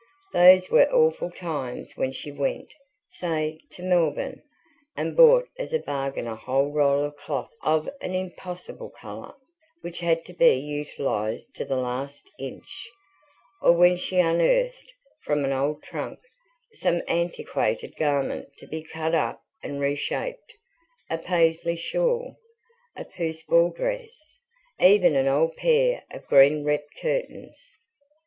Those were awful times when she went, say, to Melbourne, and bought as a bargain a whole roll of cloth of an impossible colour, which had to be utilised to the last inch; or when she unearthed, from an old trunk, some antiquated garment to be cut up and reshaped a Paisley shawl, a puce ball dress, even an old pair of green rep curtains.